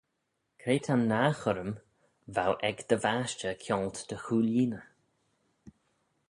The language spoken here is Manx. Cre ta'n nah churrym v'ou ec dty vashtey kianglt dy chooilleeney?